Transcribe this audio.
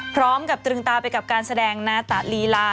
พร้อมกับตรึงตาไปกับการแสดงหน้าตาลีลา